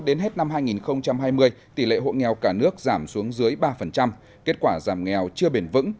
đến hết năm hai nghìn hai mươi tỷ lệ hộ nghèo cả nước giảm xuống dưới ba kết quả giảm nghèo chưa bền vững